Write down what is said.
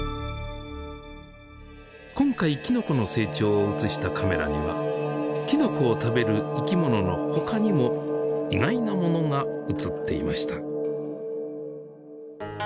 今回きのこの成長を写したカメラにはきのこを食べる生きものの他にも意外なものが写っていました。